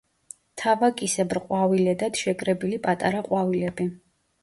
თავაკისებრ ყვავილედად შეკრებილი პატარა ყვავილები.